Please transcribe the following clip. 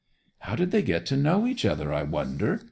'How did they get to know each other, I wonder?